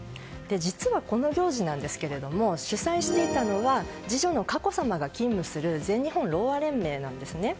実は、この行事なんですけれども主催していたのは次女の佳子さまが勤務する全日本ろうあ連盟なんですね。